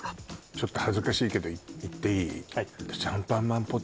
ちょっと恥ずかしいけどいっていい？